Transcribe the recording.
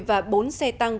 và bốn xe tăng